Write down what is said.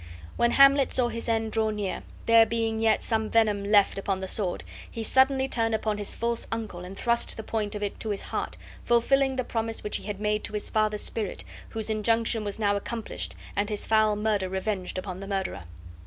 When Hamlet saw his end draw near, there being yet some venom left upon the sword, he suddenly turned upon his false uncle and thrust the point of it to his heart, fulfilling the promise which he had made to his father's spirit, whose injunction was now accomplished and his foul murder revenged upon the murderer.